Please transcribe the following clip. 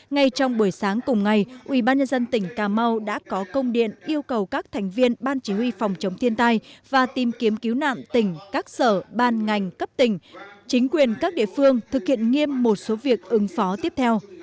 ngay trong buổi sáng cùng ngày ubnd tỉnh cà mau đã có công điện yêu cầu các thành viên ban chỉ huy phòng chống thiên tai và tìm kiếm cứu nạn tỉnh các sở ban ngành cấp tỉnh chính quyền các địa phương thực hiện nghiêm một số việc ứng phó tiếp theo